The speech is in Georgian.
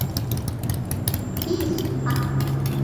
ის ასეც იქცევა.